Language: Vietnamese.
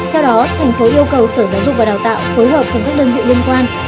theo đó thành phố yêu cầu sở giáo dục và đào tạo phối hợp cùng các đơn vị liên quan